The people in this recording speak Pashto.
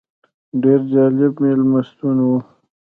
ډېر جالب مېلمستون و.